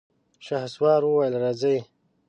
شهسوار وويل: راځئ!